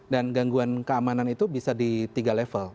dan gangguan keamanan itu bisa di tiga level